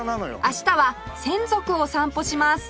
明日は洗足を散歩します